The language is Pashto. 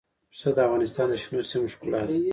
پسه د افغانستان د شنو سیمو ښکلا ده.